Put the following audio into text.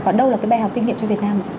và đâu là cái bài học kinh nghiệm cho việt nam